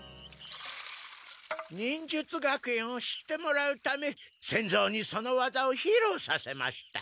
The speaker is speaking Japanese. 忍術学園を知ってもらうため仙蔵にそのわざをひろうさせました。